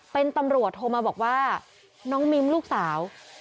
เป็นตำรวจโทรมาบอกว่าน้องมิ้มลูกสาว